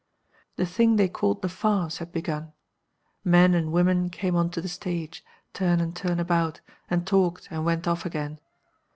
"The thing they called the farce had begun. Men and women came on to the stage, turn and turn about, and talked, and went off again.